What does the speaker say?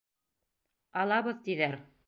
Алабыҙ, тиҙәр.